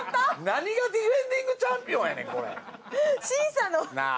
何がディフェンディングチャンピオンやねんこれ。